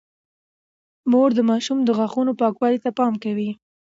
مور د ماشوم د غاښونو پاکوالي ته پام کوي۔